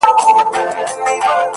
• سپوږمۍ خو مياشت كي څو ورځي وي،